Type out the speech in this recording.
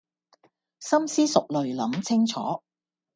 深思熟慮諗清楚